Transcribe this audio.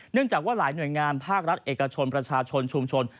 จากว่าหลายหน่วยงานภาครัฐเอกชนประชาชนชุมชน